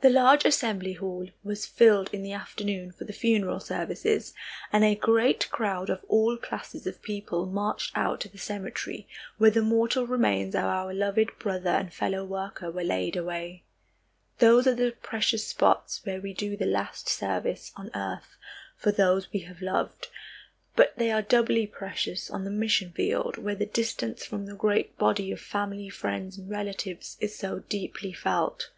The large assembly hall was filled in the afternoon for the funeral services, and a great crowd of all classes of people marched out to the cemetery, where the mortal remains of our loved brother and fellow worker were laid away. Those are precious spots where we do the last service on earth for those we have loved, but they are doubly precious on the mission field where the distance from the great body of family friends and relatives is so deeply felt.